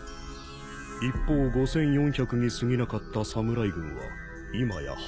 一方５，４００に過ぎなかった侍軍は今や８，０００。